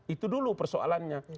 itu dulu persoalannya